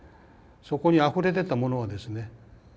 そこにあふれ出たものはですね